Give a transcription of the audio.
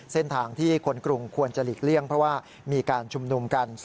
เส้นทางที่คนกรุงควรจะหลีกเลี่ยงเพราะว่ามีการชุมนุมกัน